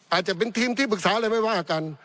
อาจจะเป็นทีมที่ปรึกษาอะไรไม่ว่ากัน